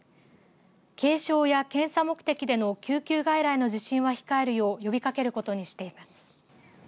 軽症や検査目的での救急外来の受診は控えるよう呼びかけることにしています。